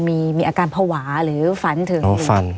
ไม่มีครับไม่มีครับ